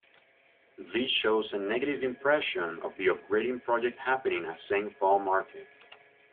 This shows a negative impression of the upgrading project happening at Seng Poh market.